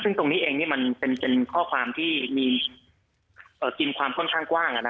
ซึ่งตรงนี้เองมันเป็นข้อความที่มีตีนความค่อนข้างกว้าง